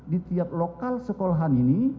di tiap lokal sekolahan ini